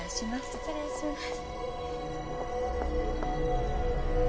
失礼します。